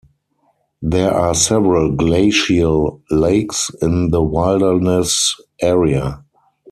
There are several glacial lakes in the wilderness area.